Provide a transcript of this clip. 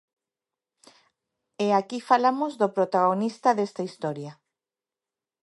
E aquí falamos do protagonista desta historia.